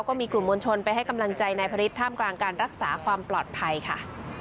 ก็มีกลุ่มมวลชนไปให้กำลังใจนายพระฤทธท่ามกลางการรักษาความปลอดภัยค่ะ